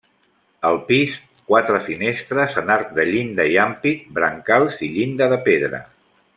Al pis, quatre finestres en arc de llinda i ampit, brancals i llinda de pedra.